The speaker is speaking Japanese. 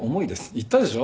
言ったでしょ？